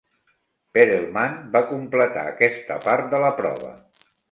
Perelman va completar aquesta part de la prova.